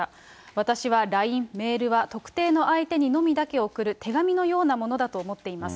私はＬＩＮＥ、メールは特定の相手にのみだけ送る手紙のようなものだと思っています。